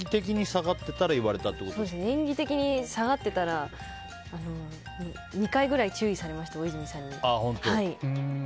それとも演技的に下がってたら２回くらい注意されました大泉さんに。